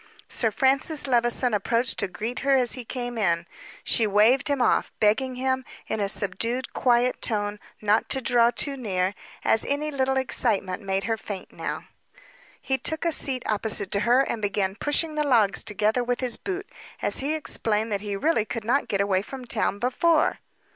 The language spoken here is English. Sir Francis Levison approached to greet her as he came in. She waved him off, begging him, in a subdued, quiet tone, not to draw too near, as any little excitement made her faint now. He took a seat opposite to her, and began pushing the logs together with his boot, as he explained that he really could not get away from town before.